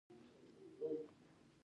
د هرات په کشک کې د سمنټو مواد شته.